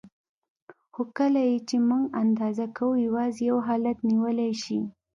خو کله یې چې موږ اندازه کوو یوازې یو حالت نیولی شي.